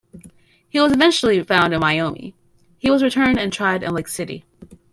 He was eventually found in Wyoming; he was returned and tried in Lake City.